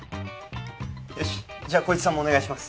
よしじゃあ功一さんもお願いします